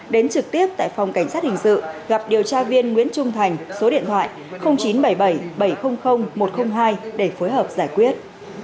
đến trực tiếp tại phòng cảnh sát hình sự gặp điều tra viên nguyễn trung thành số điện thoại chín trăm bảy mươi bảy bảy trăm linh một trăm linh hai để phối hợp giải quyết